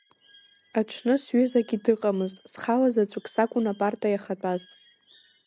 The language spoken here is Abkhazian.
Аҽны сҩызагьы дыҟаӡамызт, схала заҵәык сакәын апарта иахатәаз.